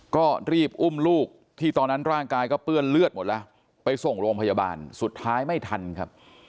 ก็รีบอุ้มลูกที่ตอนนั้นร่างกายก็เปื้อนเลือดหมดแล้วไปส่งโรงพยาบาลสุดท้ายไม่ทันครับ